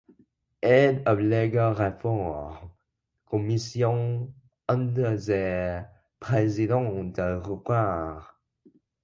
Head of Legal Reform Commission under the President of Ukraine.